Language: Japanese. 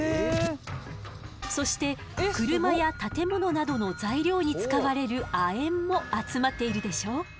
そして車や建物などの材料に使われる亜鉛も集まっているでしょ。